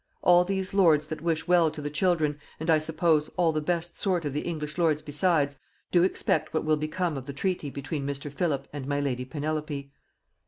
All these lords that wish well to the children, and, I suppose, all the best sort of the English lords besides, do expect what will become of the treaty between Mr. Philip and my lady Penelope.